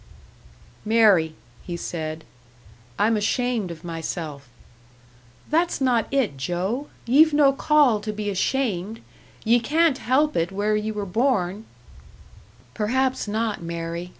"Mary," he said, "I'm ashamed of myself " "That's not it, Joe! Ye've no call to be ashamed. Ye can't help it where ye were born " "Perhaps not, Mary.